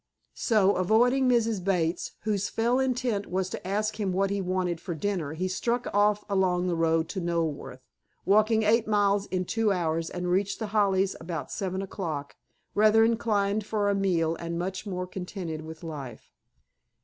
So, avoiding Mrs. Bates, whose fell intent it was to ask him what he wanted for dinner, he struck off along the road to Knoleworth, walked eight miles in two hours, and reached The Hollies about seven o'clock, rather inclined for a meal and much more contented with life.